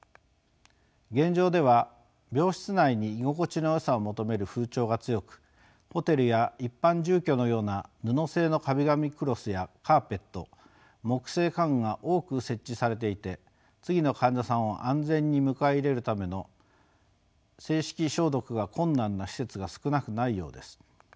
現状では病室内に居心地のよさを求める風潮が強くホテルや一般住居のような布製の壁紙クロスやカーペット木製家具が多く設置されていて次の患者さんを安全に迎え入れるための清しき消毒が困難な施設が少なくないようです。